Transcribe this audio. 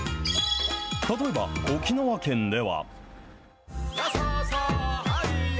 例えば沖縄県では。